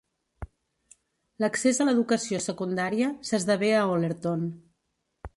L'accés a l'educació secundària s'esdevé a Ollerton.